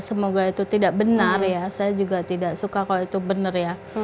semoga itu tidak benar ya saya juga tidak suka kalau itu benar ya